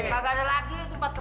gak ada lagi empat kepala